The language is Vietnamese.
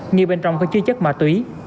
nghi bên trong có chứa chất ma túy